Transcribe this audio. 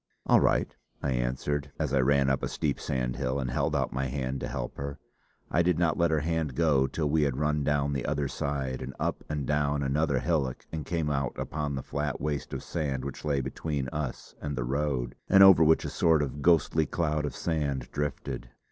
"All right," I answered, as I ran up a steep sandhill and held out my hand to help her. I did not let her hand go till we had run down the other side, and up and down another hillock and came out upon the flat waste of sand which lay between us and the road, and over which a sort of ghostly cloud of sand drifted.